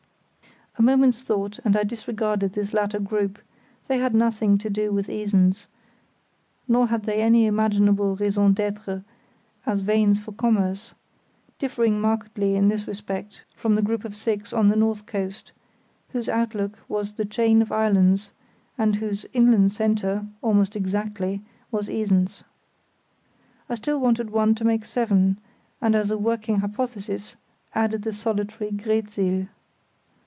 A moment's thought and I disregarded this latter group; they had nothing to do with Esens, nor had they any imaginable raison d'étre as veins for commerce; differing markedly in this respect from the group of six on the north coast, whose outlook was the chain of islands, and whose inland centre, almost exactly, was Esens. I still wanted one to make seven, and as a working hypothesis added the solitary Greetsiel.